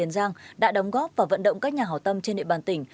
công an tỉnh tiền giang đã đóng góp và vận động các nhà hảo tâm trên địa bàn tỉnh